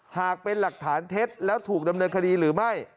หากเป็นหลักฐานเท็จแล้วถูกดำเนินคดีหรือไม่